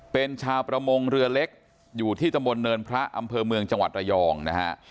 เป็นชาวประมงเรือเล็กอยู่ที่ตำบลเนินพระอำเภอเมืองจังหวัดระยองนะฮะ